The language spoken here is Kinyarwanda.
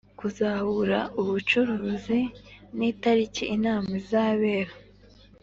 Kuzahura ubucuruzi n itariki inama izabera